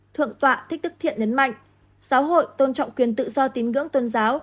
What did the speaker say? thượng tọa thích đức thiện nhấn mạnh giáo hội tôn trọng quyền tự do tín ngưỡng tôn giáo